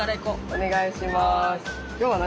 お願いします。